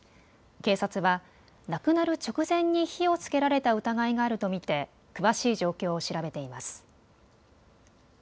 警察は、亡くなる直前に火をつけられた疑いがあると見て詳しい状況を調べています。